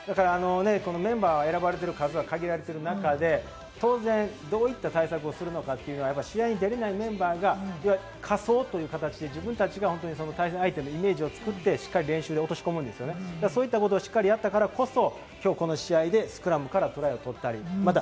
メンバー、選ばれている数は限られている中で、どういった対策をするのか、試合に出られないメンバーが仮想という形で、対戦相手のイメージを作って、しっかり練習に落とし込む、そういうことをやったからこそ今日この試合でスクラムからトライを取ることができた。